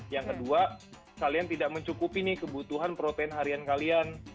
yang kedua kalian tidak mencukupi nih kebutuhan protein harian kalian